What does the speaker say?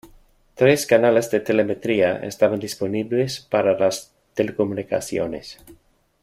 Tres canales de telemetría estaban disponibles para las telecomunicaciones.